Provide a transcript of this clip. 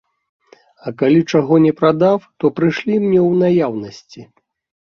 А калі чаго не прадаў, то прышлі мне ў наяўнасці.